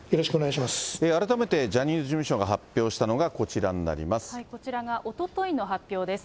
改めてジャニーズ事務所が発表したのが、こちらがおとといの発表です。